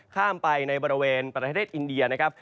ข้ามไปในบริเวณประเทศอินเดียนะครับ